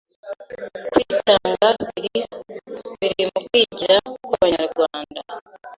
kwitanga biri mu kwigira kw’Abanyarwanda